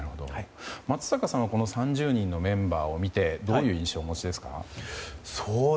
松坂さんはこの３０人のメンバーを見てどういう印象をお持ちですか？